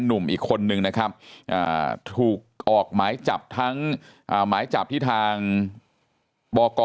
หนุ่มอีกคนนึงนะครับถูกออกหมายจับทั้งหมายจับที่ทางบก